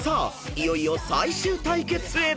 いよいよ最終対決へ］